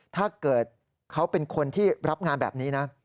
ถ้าเกิดเขาเป็นคนที่รับงานแบบนี้นะ